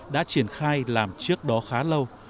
đã triển khai làm trước đó khá lâu